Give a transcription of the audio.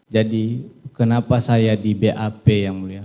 jadi kenapa saya di bap ya mulia